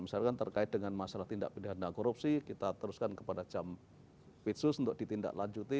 misalkan terkait dengan masalah tindak pidana korupsi kita teruskan kepada jam pitsus untuk ditindaklanjuti